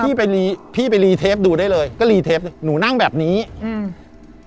พี่ไปพี่ไปดูได้เลยก็หนูนั่งแบบนี้อืม